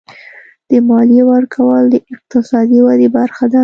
د مالیې ورکول د اقتصادي ودې برخه ده.